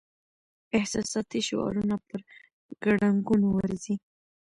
احساساتي شعارونه پر ګړنګونو ورځي.